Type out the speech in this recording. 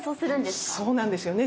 そうなんですよね。